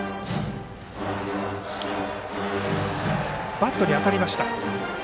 バットに当たりました。